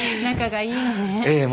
ええ。